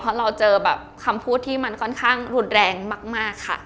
เพราะเราเจอแบบคำพูดที่มันค่อนข้างรุนแรงมากค่ะ